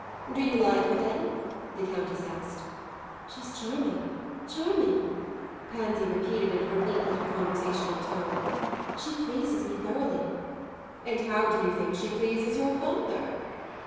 "Do you like her then?" the Countess asked. "She's charming charming," Pansy repeated in her little neat conversational tone. "She pleases me thoroughly." "And how do you think she pleases your father?"